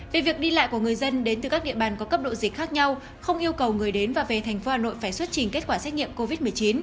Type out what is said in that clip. về việc đi lại của người dân đến từ các địa bàn có cấp độ dịch khác nhau không yêu cầu người đến và về thành phố hà nội phải xuất trình kết quả xét nghiệm covid một mươi chín